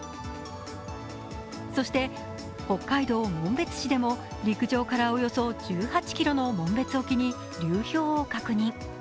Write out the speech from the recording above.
そして、北海道紋別市でも陸上からおよそ１８ｋｍの紋別沖に流氷を確認。